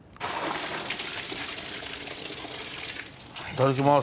いただきます！